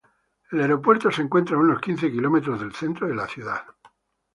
El aeropuerto se encuentra a unos quince kilómetros del centro de la ciudad.